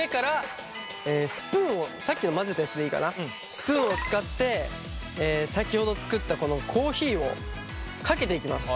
スプーンを使って先ほど作ったこのコーヒーをかけていきます。